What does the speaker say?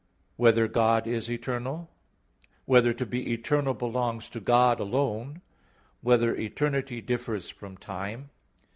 (2) Whether God is eternal? (3) Whether to be eternal belongs to God alone? (4) Whether eternity differs from time?